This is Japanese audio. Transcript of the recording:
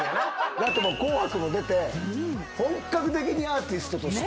だって『紅白』も出て本格的にアーティストとして。